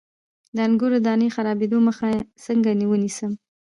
د انګورو د دانې د خرابیدو مخه څنګه ونیسم؟